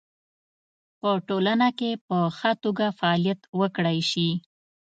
په ټولنه کې په خه توګه فعالیت وکړی شي